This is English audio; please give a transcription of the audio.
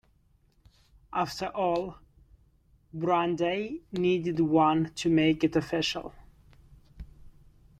After all, Brandeis needed one to make it official.